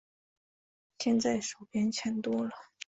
现在手边钱多了